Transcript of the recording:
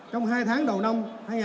trong hai tháng đầu năm